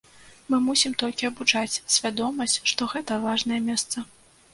Мы мусім толькі абуджаць свядомасць, што гэта важнае месца.